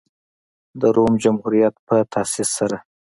د روم جمهوریت په تاسیس سره.